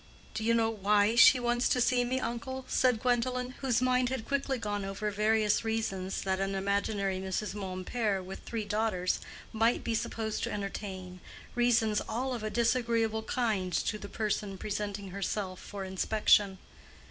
"Do you know why she wants to see me, uncle?" said Gwendolen, whose mind had quickly gone over various reasons that an imaginary Mrs. Mompert with three daughters might be supposed to entertain, reasons all of a disagreeable kind to the person presenting herself for inspection.